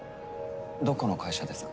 どこの会社ですか？